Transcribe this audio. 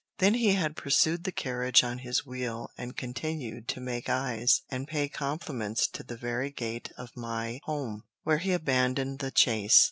Then he had pursued the carriage on his wheel and continued to "make eyes" and pay compliments to the very gate of my home, where he abandoned the chase.